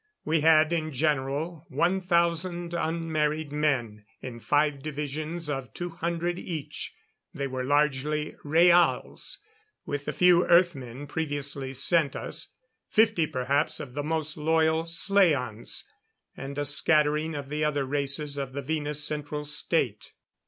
We had, in general, one thousand unmarried men, in five divisions of two hundred each. They were largely Rhaals, with the few Earth men previously sent us; fifty perhaps of the most loyal slaans; and a scattering of the other races of the Venus Central State.